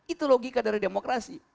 itu logika dari demokrasi